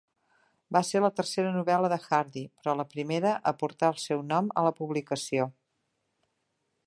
Va ser la tercera novel·la de Hardy, però la primera a portar el seu nom a la publicació.